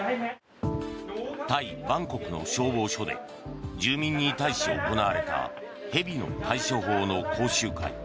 タイ・バンコクの消防署で住民に対し行われた蛇の対処法の講習会。